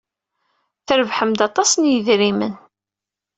Trebḥem-d aṭas n yidrimen.